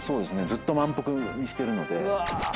ずっと満腹にしてるので。